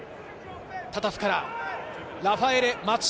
タタフからラファエレ、松島。